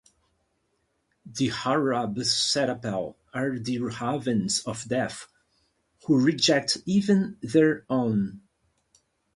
The Harab Serapel are the Ravens of Death who reject even their own.